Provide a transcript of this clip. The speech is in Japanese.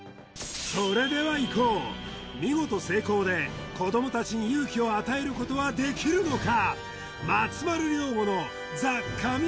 それではいこう見事成功で子ども達に勇気を与えることはできるのか？